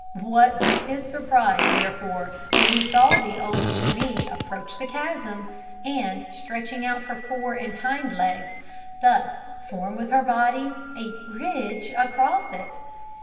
What was his surprise, therefore, when he saw the old chamois approach the chasm, and, stretching out her fore and hind legs, thus form with her body a bridge across it!